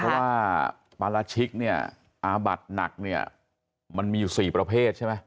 เพราะว่าปราชิกเนี่ยอาบัดหนักเนี่ยมันมีอยู่๔ประเภทใช่ไหม